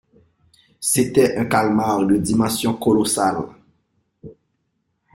C’était un calmar de dimensions colossales.